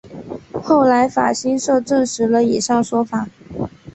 后来法新社证实了以上说法。